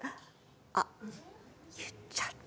あ言っちゃった。